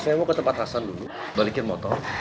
saya mau ke tempat hasan dulu balikin motor